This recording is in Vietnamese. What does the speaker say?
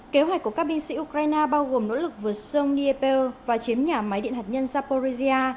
kế hoạch của các binh sĩ ukraine bao gồm nỗ lực vượt sông nieper và chiếm nhà máy điện hạt nhân zaporizia